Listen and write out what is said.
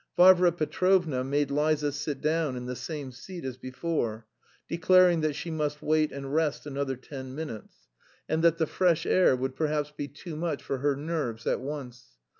Varvara Petrovna made Liza sit down in the same seat as before, declaring that she must wait and rest another ten minutes; and that the fresh air would perhaps be too much for her nerves at once.